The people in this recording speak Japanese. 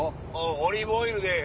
オリーブオイルで。